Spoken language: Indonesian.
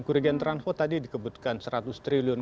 kerugian transport tadi dikebutkan seratus triliun